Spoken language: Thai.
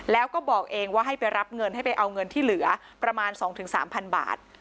แล้วก็บอกเองว่าให้ไปรับเงินให้ไปเอาเงินที่เหลือประมาณ๒๓๐๐บาท